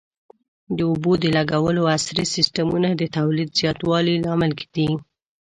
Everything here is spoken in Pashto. د اوبو د لګولو عصري سیستمونه د تولید زیاتوالي لامل دي.